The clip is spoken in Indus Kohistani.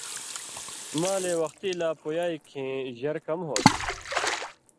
مالے وختی لا پویائ کھیں ژر کم ہوتھی۔